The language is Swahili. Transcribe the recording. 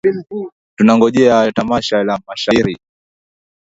Tunangojea tamasha la mashairi.